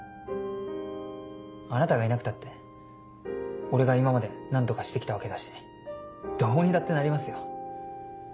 あなたがいなくたって俺が今まで何とかして来たわけだしどうにだってなりますよ。